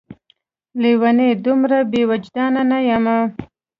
لېونۍ! دومره بې وجدان نه یمه